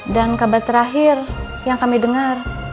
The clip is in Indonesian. dan kabar terakhir yang kami dengar